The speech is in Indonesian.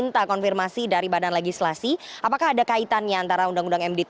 nah kan con invaluable ako program mediahu peseren anda een autonomous